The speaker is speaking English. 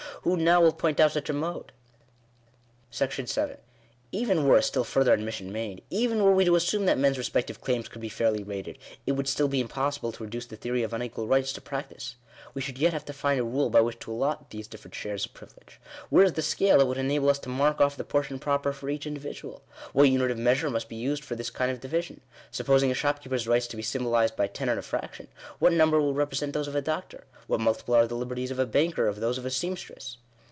Who now will point out such a mode ? §7. Even were a still further admission made — even were we to assume that men's respective claims could be fairly rated — it would still be impossible to reduce the theory of unequal rights to practice. We should yet have to find a rule by which to allot these different shares of privilege. Where is the scale that would enable us to mark off the portion proper for each individual ? What unit of measure must be used for this kind of division? Supposing a shopkeepers rights to be sym bolized by ten and a fraction, what number will represent those of a doctor ? What multiple are the liberties of a banker of those of a seamstress